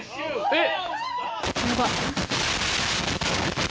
えっ！